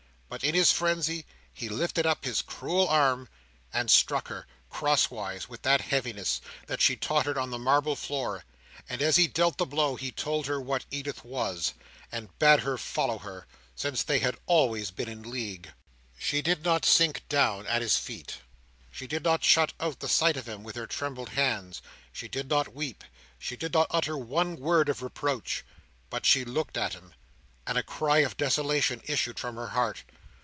But in his frenzy, he lifted up his cruel arm, and struck her, crosswise, with that heaviness, that she tottered on the marble floor; and as he dealt the blow, he told her what Edith was, and bade her follow her, since they had always been in league. She did not sink down at his feet; she did not shut out the sight of him with her trembling hands; she did not weep; she did not utter one word of reproach. But she looked at him, and a cry of desolation issued from her heart.